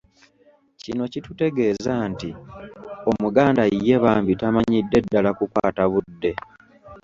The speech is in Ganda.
Kino kitutegeeza nti Omuganda ye bambi tamanyidde ddala kukwata budde